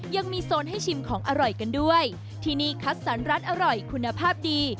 ยังมีโซนให้ชิมของอร่อยกันด้วยที่นี่คัดสรรร้านอร่อยคุณภาพดี